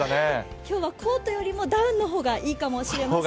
今日はコートよりもダウンの方がいいかもしれません。